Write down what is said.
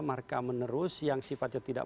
marka menerus yang sifatnya tidak